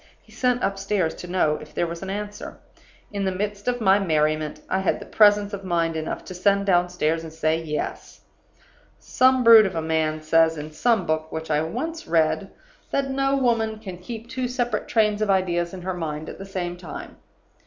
He sent upstairs to know if there was an answer. In the midst of my merriment I had presence of mind enough to send downstairs and say 'Yes.' "Some brute of a man says, in some book which I once read, that no woman can keep two separate trains of ideas in her mind at the same time.